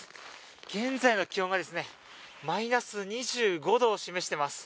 現在の気温がマイナス２５度を示しています。